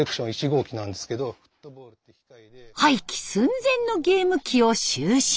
廃棄寸前のゲーム機を収集。